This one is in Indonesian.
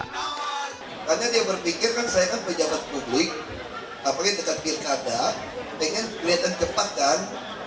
karena dia berpikir kan saya kan pejabat publik apalagi dekat pilkada pengen kelihatan cepat kan